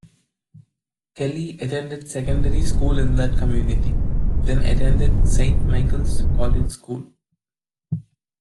Kelly attended secondary school in that community, then attended Saint Michael's College School.